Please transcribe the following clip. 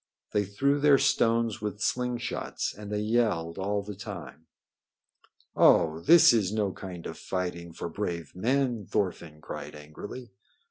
They threw their stones with sling shots, and they yelled all the time. "Oh, this is no kind of fighting for brave men!" Thorfinn cried angrily.